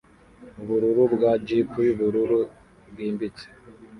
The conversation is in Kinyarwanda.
Ubururu bwa Jeep yubururu bwimbitse